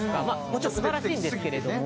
もちろん素晴らしいんですけれども。